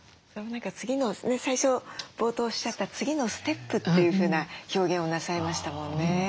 最初冒頭おっしゃった次のステップというふうな表現をなさいましたもんね。